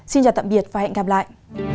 xin chào và hẹn gặp lại